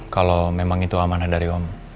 kalau memang itu amanah dari om